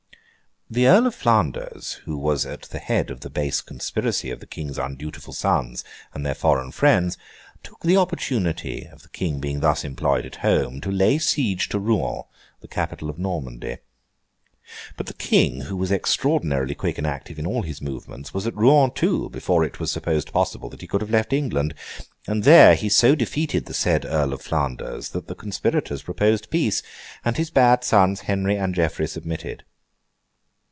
The Earl of Flanders, who was at the head of the base conspiracy of the King's undutiful sons and their foreign friends, took the opportunity of the King being thus employed at home, to lay siege to Rouen, the capital of Normandy. But the King, who was extraordinarily quick and active in all his movements, was at Rouen, too, before it was supposed possible that he could have left England; and there he so defeated the said Earl of Flanders, that the conspirators proposed peace, and his bad sons Henry and Geoffrey submitted.